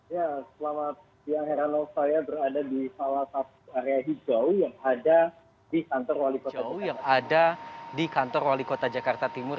ya selamat siang heranong saya berada di salah satu area di jauh yang ada di kantor wali kota jakarta timur